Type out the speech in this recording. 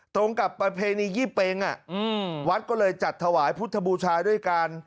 ตรงกับประเพณียี่เป็งวัดก็เลยจัดถวายพุทธบูชาด้วยกัน